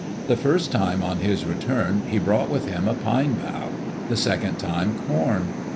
The first time on his return, he brought with him a pine bough; the second time, corn.